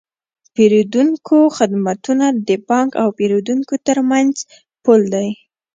د پیرودونکو خدمتونه د بانک او پیرودونکي ترمنځ پل دی۔